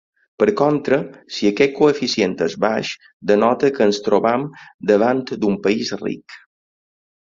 Per contra, si aquest coeficient és baix, denota que ens trobem davant d'un país ric.